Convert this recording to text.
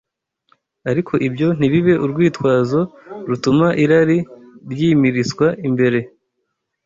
ariko ibyo ntibibe urwitwazo rutuma irari ryimiriswa imbere